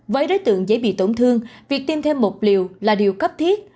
với đối tượng dễ bị tổn thương việc tiêm thêm một liều là điều cấp thiết